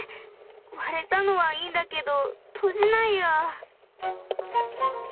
割れたのはいいんだけど閉じないや。